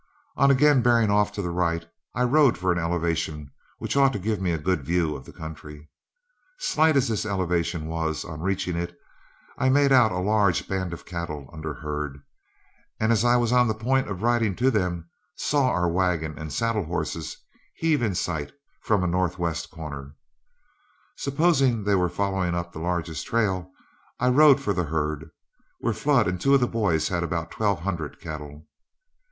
On again bearing off to the right, I rode for an elevation which ought to give me a good view of the country. Slight as this elevation was, on reaching it, I made out a large band of cattle under herd, and as I was on the point of riding to them, saw our wagon and saddle horses heave in sight from a northwest quarter. Supposing they were following up the largest trail, I rode for the herd, where Flood and two of the boys had about twelve hundred cattle.